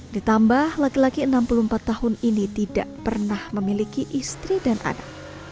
ditambah laki laki enam puluh empat tahun ini tidak pernah memiliki istri dan anak